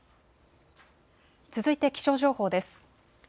続いて気象情報です。